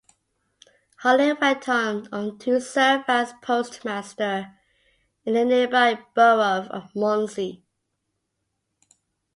Hawley went on to serve as postmaster in the nearby borough of Muncy.